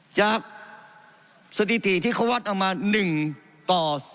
จากสถิติที่เขาวัดเอามา๑ต่อ๐